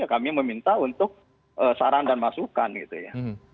kami meminta untuk saran dan masukan gitu ya